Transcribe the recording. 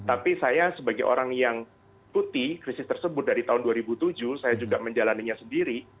tapi saya sebagai orang yang ikuti krisis tersebut dari tahun dua ribu tujuh saya juga menjalannya sendiri